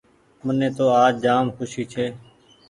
مني تو آج جآم کوسي ڇي۔